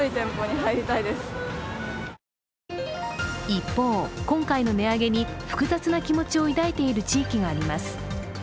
一方、今回の値上げに複雑な気持ちを抱いている地域があります。